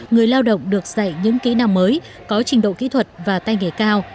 người lao động được dạy những kỹ năng mới có trình độ kỹ thuật và tay nghề cao